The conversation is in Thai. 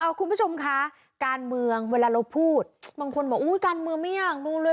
คุณผู้ชมคะการเมืองเวลาเราพูดบางคนบอกอุ้ยการเมืองไม่อยากดูเลย